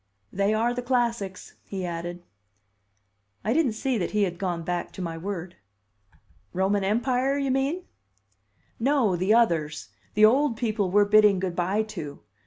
"They are the classics," he added. I didn't see that he had gone back to my word. "Roman Empire, you mean?" "No, the others; the old people we're bidding good by to.